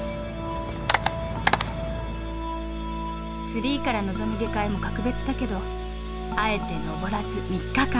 ツリーから望む下界も格別だけどあえてのぼらず３日間。